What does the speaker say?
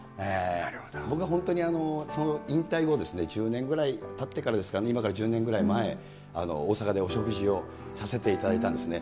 僕は本当に引退後、１０年ぐらいたってからですか、今から１０年ぐらい前、大阪でお食事をさせていただいたんですね。